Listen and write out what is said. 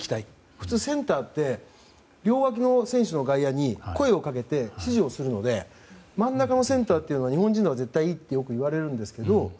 普通、センターって両脇の選手の外野に声をかけて指示をするので真ん中のセンターというのは日本人のほうが絶対にいいといわれるんですけど